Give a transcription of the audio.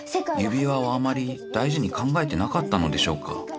指輪をあんまり大事に考えてなかったのでしょうか